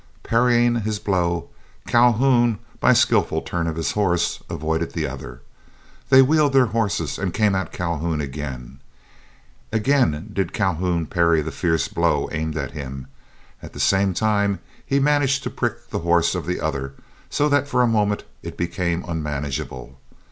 Parrying his blow, Calhoun, by a skilful turn of his horse, avoided the other. They wheeled their horses, and came at Calhoun again. Again did Calhoun parry the fierce blow aimed at him; at the same time he managed to prick the horse of the other, so that for a moment it became unmanageable.